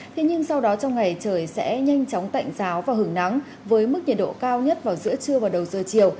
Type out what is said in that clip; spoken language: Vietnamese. thế nhưng sau đó trong ngày trời sẽ nhanh chóng tạnh giáo và hứng nắng với mức nhiệt độ cao nhất vào giữa trưa và đầu giờ chiều